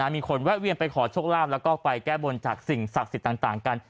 มีคนแวะเวียนไปขอโชคลาภแล้วก็ไปแก้บนจากสิ่งศักดิ์สิทธิ์ต่างกัน